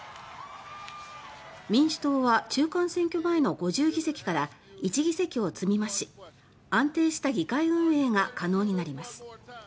民主党は中間選挙前の５０議席から１議席を積み増し安定した議会運営が可能になります。